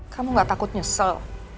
kamu gak takut nyesel